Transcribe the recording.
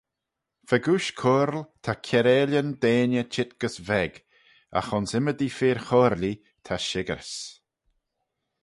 Fegooish coyrle ta kiarailyn deiney cheet gys veg: agh ayns ymmodee fir-choyrlee ta shickyrys.